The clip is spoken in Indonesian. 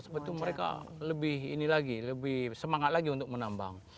sebetulnya mereka lebih ini lagi lebih semangat lagi untuk menambang